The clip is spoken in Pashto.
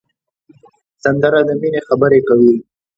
سندره د مینې خبرې کوي